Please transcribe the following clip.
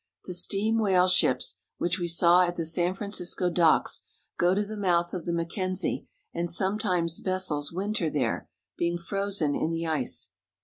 The steam whale ships, which we saw at the San Francisco docks, go to the mouth of the Mackenzie, and sometimes vessels winter there, being frozen in the ice.